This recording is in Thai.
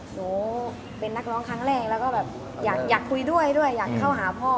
หนูเป็นนักร้องครั้งแรกแล้วก็แบบอยากคุยด้วยด้วยอยากเข้าหาพ่อ